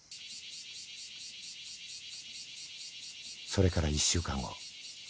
［それから１週間後。